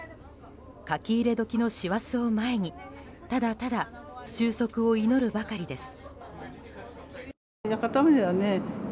書き入れ時の師走を前にただただ収束を祈るばかりです。